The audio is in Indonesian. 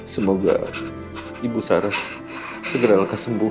semoga ibu sarah segera kesembuh